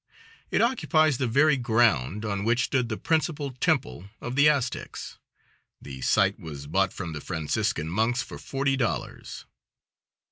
It occupies the very ground on which stood the principal temple of the Aztecs; the site was bought from the Franciscan monks for forty dollars.